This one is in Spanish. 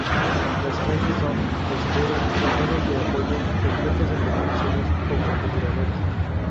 Las clases son: Fusileros, Soldados de Apoyo, Expertos en Demoliciones o Francotiradores.